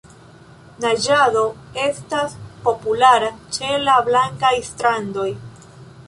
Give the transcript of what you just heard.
Naĝado estas populara ĉe la blankaj strandoj.